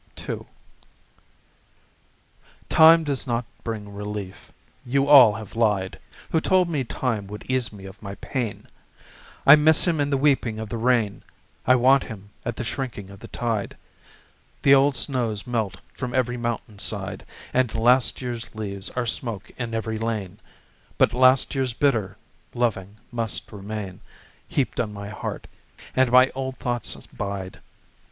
II Time does not bring relief; you all have lied Who told me time would ease me of my pain! I miss him in the weeping of the rain; I want him at the shrinking of the tide; The old snows melt from every mountain side, And last year's leaves are smoke in every lane; But last year's bitter loving must remain Heaped on my heart, and my old thoughts abide!